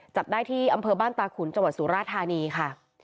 จับได้ที่อำเภอบ้านตาขุนจังหวัดสุราธานีค่ะ